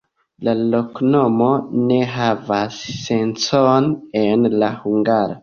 La loknomo ne havas sencon en la hungara.